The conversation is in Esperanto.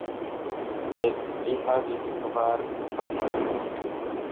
Sed li havis kvar infanojn.